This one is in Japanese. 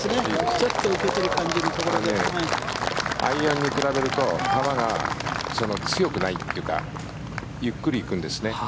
ちょっと受けてるところからアイアンに比べると球が強くないというかゆっくり行くんですね。